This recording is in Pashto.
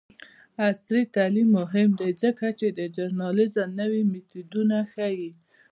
عصري تعلیم مهم دی ځکه چې د ژورنالیزم نوې میتودونه ښيي.